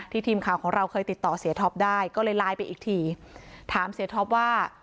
ทีมข่าวของเราเคยติดต่อเสียท็อปได้ก็เลยไลน์ไปอีกทีถามเสียท็อปว่า